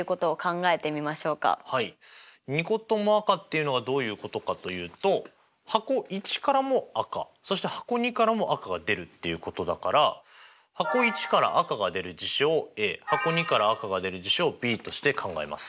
２個とも赤っていうのはどういうことかというと箱①からも赤そして箱②からも赤が出るっていうことだから箱①から赤が出る事象をＡ箱②から赤が出る事象をＢとして考えます。